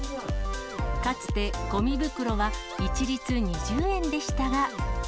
かつてごみ袋は一律２０円でしたが。